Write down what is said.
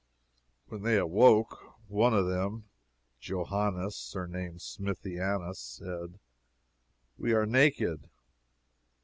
When they awoke, one of them, Johannes surnamed Smithianus said, We are naked.